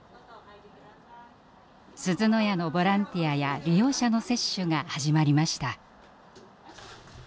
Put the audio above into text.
すずの家のボランティアや利用者の接種が始まりました。